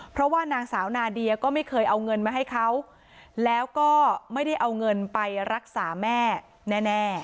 เพราะว่านางสาวนาเดียก็ไม่เคยเอาเงินมาให้เขาแล้วก็ไม่ได้เอาเงินไปรักษาแม่แน่